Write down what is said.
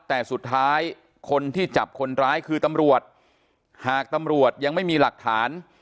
แต่สุดท้ายคนที่จับคนร้ายคือตำรวจหากตำรวจยังไม่มีหลักฐาน